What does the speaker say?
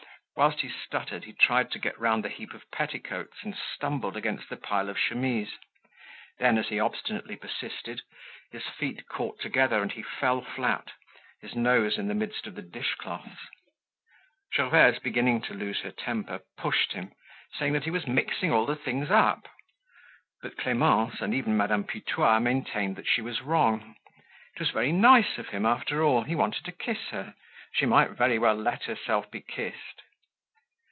Whilst he stuttered he tried to get round the heap of petticoats and stumbled against the pile of chemises; then as he obstinately persisted his feet caught together and he fell flat, his nose in the midst of the dish cloths. Gervaise, beginning to lose her temper pushed him, saying that he was mixing all the things up. But Clemence and even Madame Putois maintained that she was wrong. It was very nice of him after all. He wanted to kiss her. She might very well let herself be kissed.